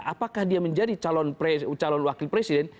apakah dia menjadi calon wakil presiden